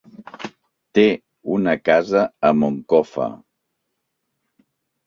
Té una casa a Moncofa.